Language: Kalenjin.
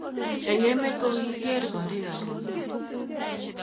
eng' emet ko kikiker koriikab bokite